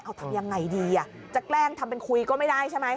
เอาทำยังไงดีจะแกล้งทำเป็นคุยก็ไม่ได้ใช่ไหม